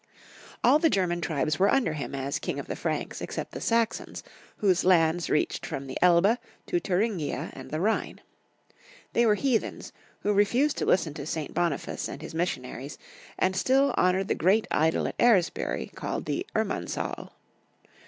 All the German tribes were under him as king of the Franks except the Saxons, whose lands reached from the Elbe to Thuringia and the Rliine. They were heathens, who refused to listen to St. Boniface and his missionaries, and still honored the great idol at Eresbury called the Irmansaul.